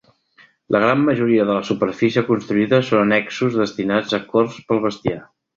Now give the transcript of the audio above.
La gran majoria de la superfície construïda són annexos destinats a corts pel bestiar.